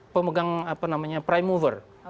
pemegang apa namanya prime mover